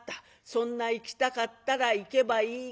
そんな行きたかったら行けばいいがや。